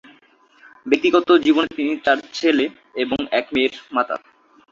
ব্যক্তিগত জীবনে তিনি চার ছেলে এবং এক মেয়ের মাতা।